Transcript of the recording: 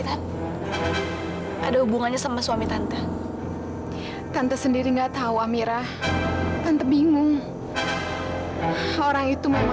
jangan macam macam sama prabu wijaya kamu ya